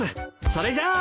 それじゃあ。